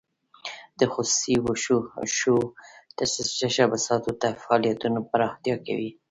د خصوصي شوو تشبثاتو فعالیتونه پراختیا کوي.